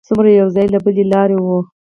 څومره یو ځای له بله لرې و.